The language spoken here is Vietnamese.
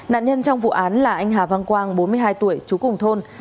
nạn nhân trong vụ án là anh hà văn quang bốn mươi hai tuổi chú cùng thôn